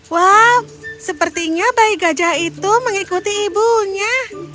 wow sepertinya bayi gajah itu mengikuti ibunya